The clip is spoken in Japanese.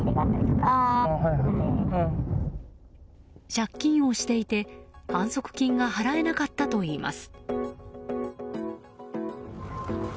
借金をしていて反則金が払えなかったといいます。